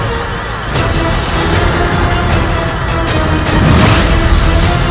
aku harus menggunakan ajem pabuk kasku